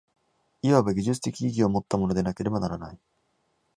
いわば技術的意義をもったものでなければならない。